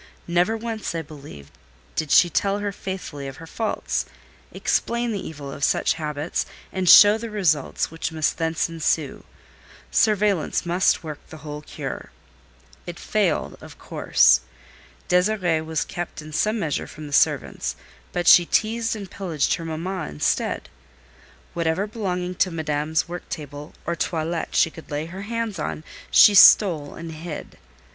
Never once, I believe, did she tell her faithfully of her faults, explain the evil of such habits, and show the results which must thence ensue. Surveillance must work the whole cure. It failed of course. Désirée was kept in some measure from the servants, but she teased and pillaged her mamma instead. Whatever belonging to Madame's work table or toilet she could lay her hands on, she stole and hid.